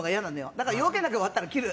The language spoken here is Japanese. だから要件が終わったら切る。